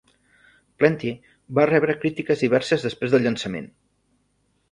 "Plenty" va rebre crítiques diverses després del llançament.